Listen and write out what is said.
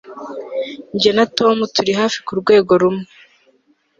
Jye na Tom turi hafi kurwego rumwe